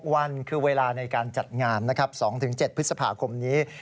วันคือเวลาในการจัดงานนะครับ๒๗พฤษภาคมนี้